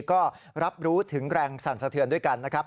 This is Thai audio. ก็รับรู้ถึงแรงสั่นสะเทือนด้วยกันนะครับ